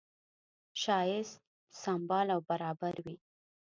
ښایست سمبال او برابر وي.